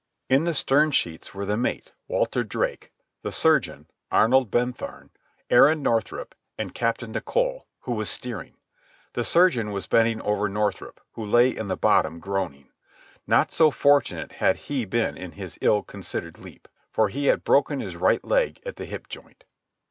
In the sternsheets were the mate, Walter Drake, the surgeon, Arnold Bentham, Aaron Northrup, and Captain Nicholl, who was steering. The surgeon was bending over Northrup, who lay in the bottom groaning. Not so fortunate had he been in his ill considered leap, for he had broken his right leg at the hip joint.